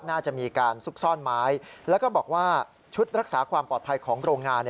น่าจะมีการซุกซ่อนไม้แล้วก็บอกว่าชุดรักษาความปลอดภัยของโรงงาน